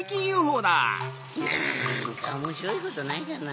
なんかおもしろいことないかな。